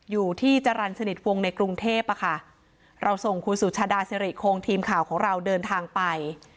อยู่ที่จรรย์สนิทวงในกรุงเทพอะค่ะเราส่งคุณสุชาดาสิริคงทีมข่าวของเราเดินทางไป